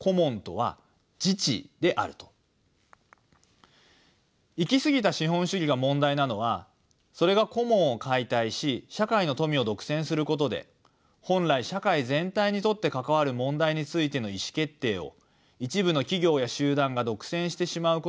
つまり行き過ぎた資本主義が問題なのはそれがコモンを解体し社会の富を独占することで本来社会全体にとって関わる問題についての意思決定を一部の企業や集団が独占してしまうことにあります。